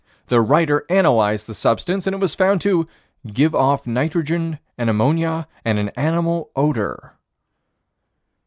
The writer analyzed the substance, and it was found to "give off nitrogen and ammonia and an animal odor."